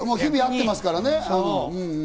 日々、会ってますからね。